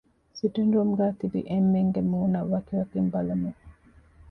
ސިޓިންގ ރޫމްގައި ތިބި އެންމެންގެ މޫނަށް ވަކިވަކިން ބަލަމުން